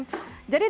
jadi dalam hal ini